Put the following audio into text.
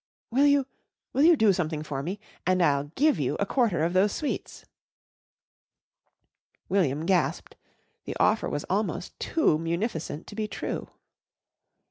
"Will you will you do something for me and I'll give you a quarter of those sweets." William gasped. The offer was almost too munificent to be true.